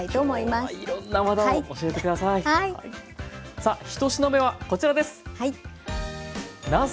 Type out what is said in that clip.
さあ１品目はこちらです。